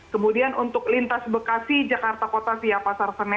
kemudian untuk lintas bekasi jakarta kota siapasar